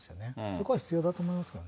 そこは必要だと思いますよね。